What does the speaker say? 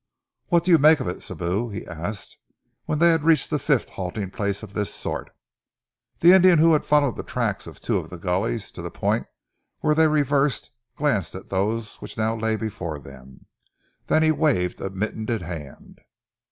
"What do you make of it, Sibou?" he asked when they had reached the fifth halting place of this sort. The Indian who had followed the tracks of two of the gullies to the point where they reversed glanced at those which now lay before them. Then he waved a mittened hand.